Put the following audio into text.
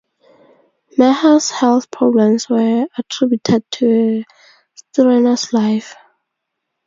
Maher's health problems were attributed to a strenuous life.